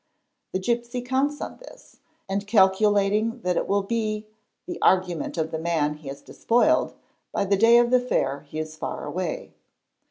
The gipsy counts on this, and ' calculating that it will be the argument of the man he has dispoiled, by the day of the fair he is far away.